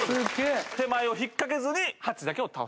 手前を引っかけずに８だけを倒すと。